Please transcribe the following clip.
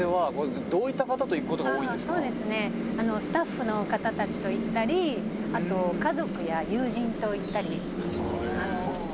「今から行くお店は「スタッフの方たちと行ったりあと家族や友人と行ったりしています」